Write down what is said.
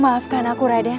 maafkan aku raiden